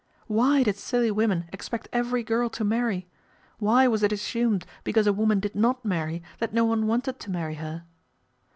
Why did silly women expect every girl to marry ? Why was it assumed because a woman did not marry that no one wanted to marry her